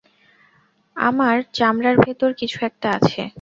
আমার চামড়ার ভেতর কিছু একটা আছে।